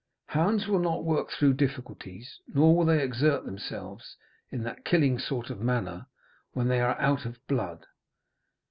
Hounds will not work through difficulties, nor will they exert themselves in that killing sort of manner when they are out of blood.